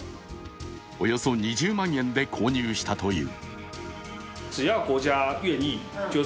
およそ２０万円で購入したという。